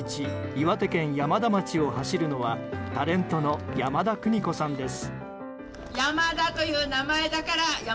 岩手県山田町を走るのはタレントの山田邦子さんです。